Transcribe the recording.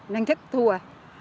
năng chất thua